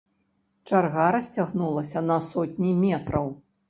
Чарга расцягнулася на сотні метраў.